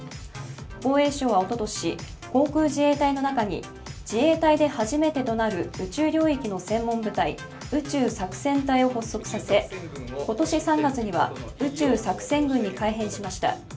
防衛省はおととし、航空自衛隊の中に自衛隊で初めてとなる宇宙領域の専門部隊、宇宙作戦隊を発足させ今年３月には宇宙作戦群に改変しました。